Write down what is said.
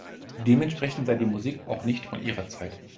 Dementsprechend sei die Musik auch nicht von ihrer Zeit.